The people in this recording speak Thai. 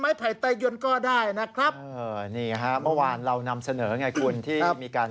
ไม้ไพ่ไตยุนก็ได้นะครับนี่หาเมื่อเรานำเสนอเนี่ยคุณที่มีการ